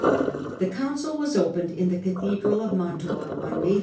The council was opened in the cathedral of Mantua on May 81.